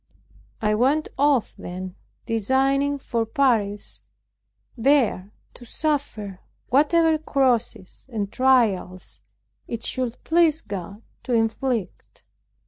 I went off then, designing for Paris, there to suffer whatever crosses and trials it should please God to inflict.